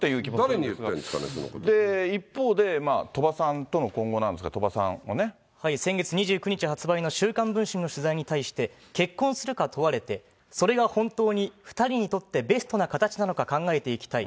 誰に言ってる一方で、鳥羽さんとの今後な先月２９日発売の週刊文春の取材に対して、結婚するか問われて、それが本当に２人にとってベストな形なのか考えていきたい。